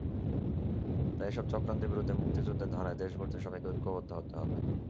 তাই এসব চক্রান্তের বিরুদ্ধে মুক্তিযুদ্ধের ধারায় দেশ গড়তে সবাইকে ঐক্যবদ্ধ হতে হবে।